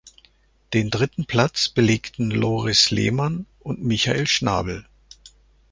Den dritten Platz belegten Loris Lehmann und Michael Schnabel.